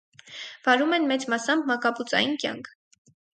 Վարում են մեծ մասամբ մակաբուծային կյանք։